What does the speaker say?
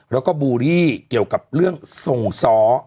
แล้วก็บูรี่เกี่ยวกับเรื่องทรงซ้อ